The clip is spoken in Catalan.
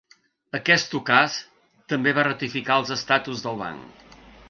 Aquest ukaz també va ratificar els estatus del banc.